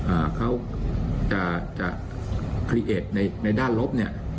อ่าเขาจะจะในในด้านลบเนี้ย